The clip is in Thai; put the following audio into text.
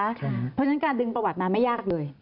เพราะฉะนั้นการดึงประวัติมาไม่ยากเลย